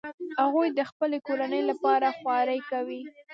هغوی د خپلې کورنۍ لپاره خواري کوي